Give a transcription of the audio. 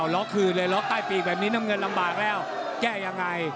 ล็อกคืนเลยล็อกใต้ปีกแบบนี้น้ำเงินลำบากแล้วแก้ยังไง